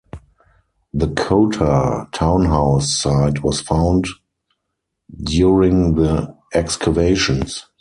The Chota townhouse site was found during the excavations.